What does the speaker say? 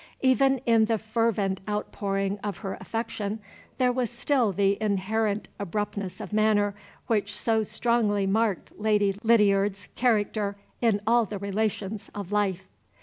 Even in the fervent outpouring of her affection, there was still the inherent abruptness of manner which so strongly marked Lady Lydiard's character in all the relations of life.